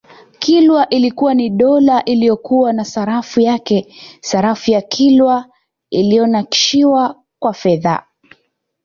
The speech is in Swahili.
Kilwa ilikuwa ni dola iliyokuwa na sarafu yake sarafu ya Kilwa iliyonakishiwa kwa fedha